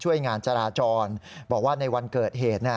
ช่วยงานจราจรบอกว่าในวันเกิดเหตุ